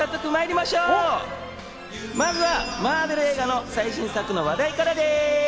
まずはマーベル映画の最新作の話題からです。